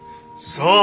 そう！